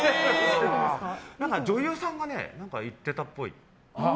女優さんが言ってたぽい。